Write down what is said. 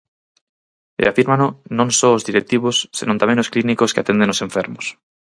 E afírmano non só os directivos senón tamén os clínicos que atenden os enfermos.